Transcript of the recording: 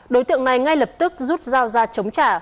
đối tượng này ngay lập tức rút dao ra chống trả